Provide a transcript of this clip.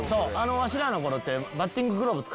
わしらの頃って。